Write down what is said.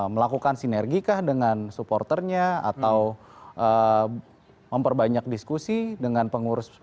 melakukan sinergikah dengan supporternya atau memperbanyak diskusi dengan pengurus supporternya